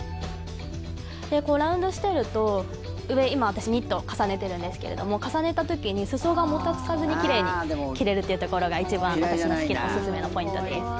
こう、ラウンドしてると上、今、私ニットを重ねてるんですけれども重ねた時に裾がもたつかずに奇麗に着れるというところが一番私のおすすめのポイントです。